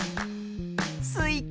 スイカ。